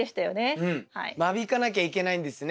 間引かなきゃいけないんですね